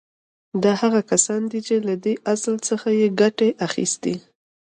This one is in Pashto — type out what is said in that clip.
دا هغه کسان دي چې له دې اصل څخه يې ګټه اخيستې.